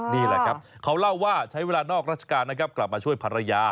นี่แหละครับเขาเล่าว่าใช้เวลานอกราชการนะครับกลับมาช่วยภรรยา